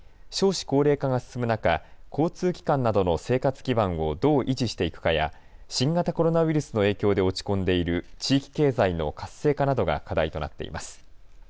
少子高齢化が進む中、交通機関などの生活基盤をどう維持していくかや新型コロナウイルスの影響で落ち込んでいる地域経済の活性化などが課題となっています。